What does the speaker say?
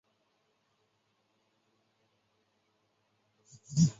巴图里特是巴西塞阿拉州的一个市镇。